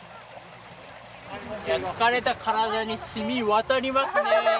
いや疲れた体に染み渡りますね！